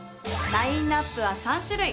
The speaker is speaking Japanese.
ラインアップは３種類。